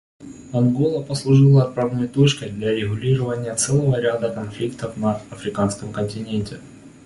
Ангола послужила отправной точкой для урегулирования целого ряда конфликтов на Африканском континенте.